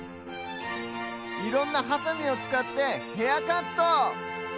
いろんなハサミをつかってヘアカット！